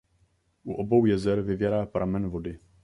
U obou jezer vyvěrá pramen vody.